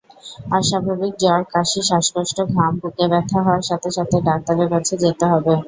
অস্বাভাবিক জ্বর, কাশি, শ্বাসকষ্ট, ঘাম, বুকে ব্যথা হওয়ার সাথে সাথে ডাক্তারের কাছে যেতে হবে।